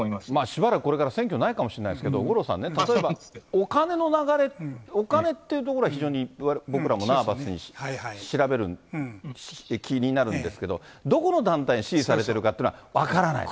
しばらくこれから選挙ないかもしれないですけど、五郎さんね、例えばお金の流れ、お金っていうところは非常に僕らもナーバスに調べる、気になるんですけど、どこの団体に支持されてるかってのは分からない。